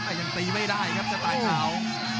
แต่ยังตีไม่ได้ครับกระต่ายขาว